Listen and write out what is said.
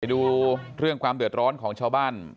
ดูเรื่องความเดือดร้อนของชาวบ้าน